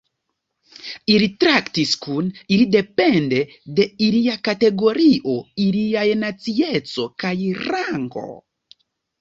Ili traktis kun ili depende de ilia kategorio, iliaj nacieco kaj rango.